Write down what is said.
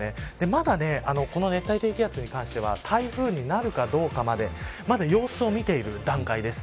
まだ、この熱帯低気圧に関しては台風になるかどうかまでまだ様子を見ている段階です。